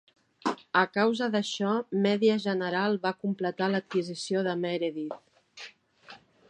A causa d'això, Media General va completar l'adquisició de Meredith.